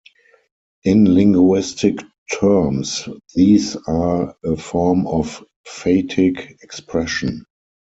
In linguistic terms, these are a form of phatic expression.